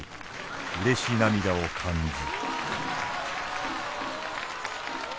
うれし涙を感ず」。